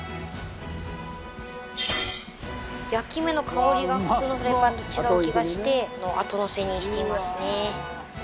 焼き目の香りが普通のフライパンと違う気がして後のせにしていますね。